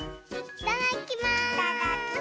いただきます！